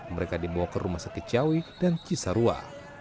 mereka dibawa ke rumah sakit ciawi dan cisarua